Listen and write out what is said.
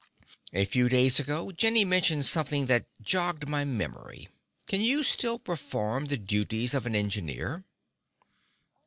A few days ago, Jenny mentioned something that jogged my memory. Can you still perform the duties of an engineer?"